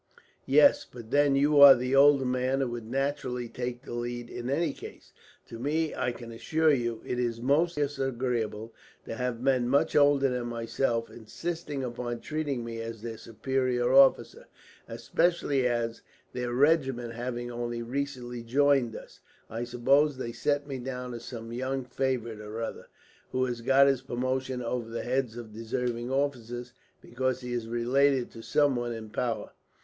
"Yes, but then you are the older man, and would naturally take the lead, in any case. To me, I can assure you, it is most disagreeable to have men much older than myself insisting upon treating me as their superior officer; especially as, their regiment having only recently joined us, I suppose they set me down as some young favourite or other, who has got his promotion over the heads of deserving officers because he is related to someone in power."